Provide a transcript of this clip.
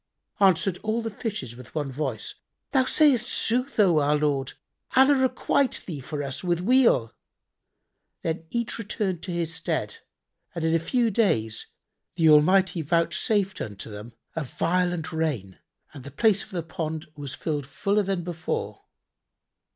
"[FN#77] Answered all the fishes with one voice "Thou sayst sooth, O our lord: Allah requite thee for us with weal!" Then each returned to his stead, and in a few days the Almighty vouchsafed unto them a violent rain and the place of the pond was filled fuller than before.